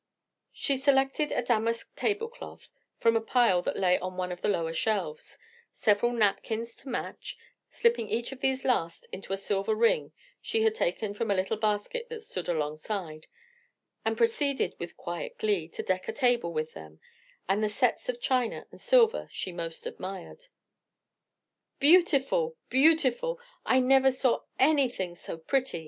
She selected a damask table cloth from a pile that lay on one of the lower shelves, several napkins to match, slipping each of these last into a silver ring taken from a little basket that stood alongside, and proceeded with quiet glee, to deck a table with them, and the sets of china and silver she most admired. "Beautiful! beautiful! I never saw anything so pretty!"